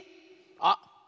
あっ